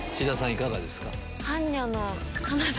いかがですか？